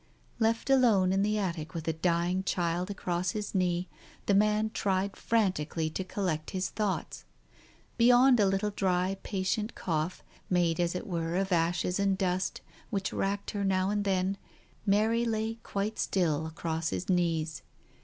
Left alone in the attic with a dying child across his knee, the man tried frantically to collect his thoughts. Beyond a little dry, patient cough, made as it were of ashes and dust, which racked her now and then, Mary lay quite still across his knees.